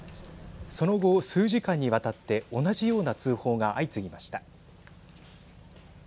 その後、数時間にわたって同じような通報が相次ぎました。